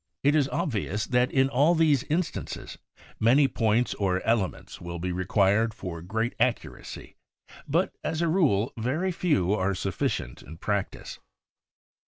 It is obvious that in all these instances many points or elements will be required for great accuracy but, as a rule, very few are sufficient in practice.